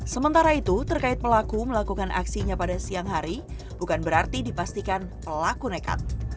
sementara itu terkait pelaku melakukan aksinya pada siang hari bukan berarti dipastikan pelaku nekat